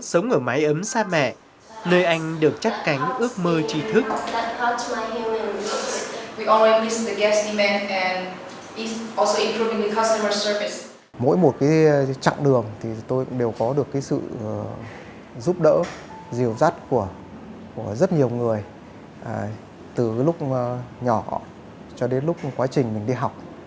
với một trạng đường thì tôi cũng đều có được sự giúp đỡ dìu dắt của rất nhiều người từ lúc nhỏ cho đến lúc quá trình mình đi học